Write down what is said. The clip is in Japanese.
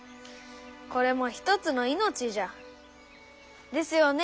これも一つの命じゃ。ですよね？